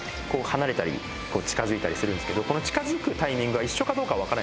離れたり近付いたりするんですけどこの近付くタイミングが一緒かどうかわからないです。